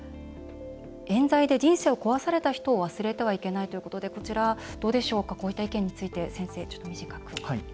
「えん罪で人生を壊された人を忘れてはいけない」ということでこちら、どうでしょうかこういった意見について、先生。